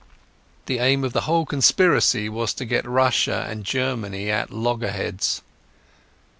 The aim of the whole conspiracy was to get Russia and Germany at loggerheads.